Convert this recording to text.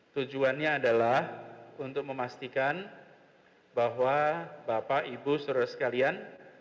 tujuannya adalah untuk memastikan bahwa bapak ibu seluruh sekalian